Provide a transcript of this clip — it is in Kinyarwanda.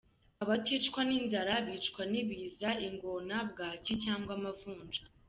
Abaticwa n’inzara bicwa n’ibiza, ingona, bwaki cyangwa amavunja.